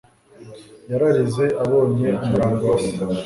Yararize abonye umurambo wa se.